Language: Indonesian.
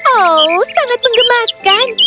oh sangat mengemaskan